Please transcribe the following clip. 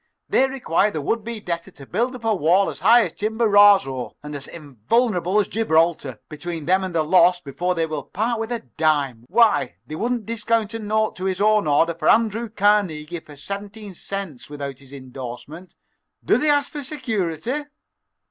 They require the would be debtor to build up a wall as high as Chimborazo and as invulnerable as Gibraltar between them and the loss before they will part with a dime. Why, they wouldn't discount a note to his own order for Andrew Carnegie for seventeen cents without his indorsement. Do they ask security!"